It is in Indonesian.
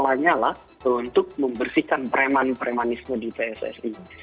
lanyalah untuk membersihkan preman premanisme di pssi